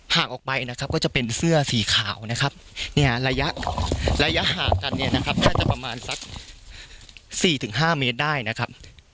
หากออกไปนะครับก็จะเป็นเสื้อสีขาวนะครับเนี่ยระยะห่างกันเนี่ยนะครับน่าจะประมาณสัก๔๕เมตรได้นะครับ